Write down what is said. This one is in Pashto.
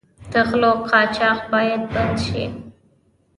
د غلو قاچاق باید بند شي.